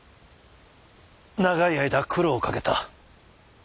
長い間苦労をかけた。